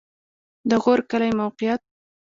د غور کلی موقعیت